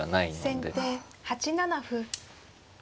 先手８七歩。